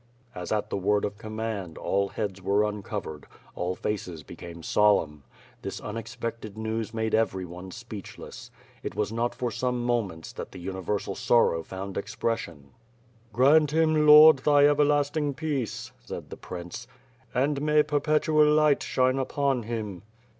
As at the word of command, all heads were uncovered, all faces became solemn. This unexpected news made everyone speechless. Tt was not for some moments that the universal sorrow found expression. 3IO WITH FIRE AND SWORD, "Grant him, Lord, Thy everlasting peace," said the prince. "And may perpetual light shine upon him!"